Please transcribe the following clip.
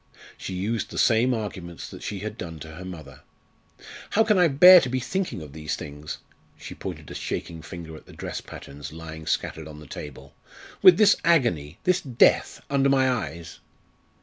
She used the same arguments that she had done to her mother. "How can I bear to be thinking of these things?" she pointed a shaking finger at the dress patterns lying scattered on the table "with this agony, this death, under my eyes?"